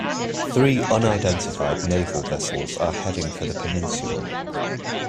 Three unidentified naval vessels are heading for the peninsula.